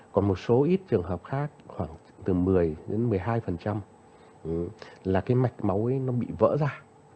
còn một số ít trường hợp khác khoảng từ một mươi đến một mươi hai là cái mạch máu ấy nó bị vỡ ra